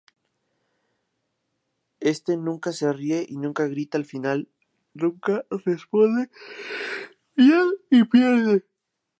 Este nunca se ríe y nunca grita, al final nunca responde bien y pierde.